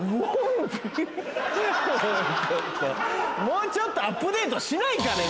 もうちょっとアップデートしないかね